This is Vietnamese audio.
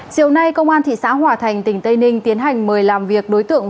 chiều nay công an thị xã hòa thành tỉnh tây ninh tiến hành mời làm việc đối tượng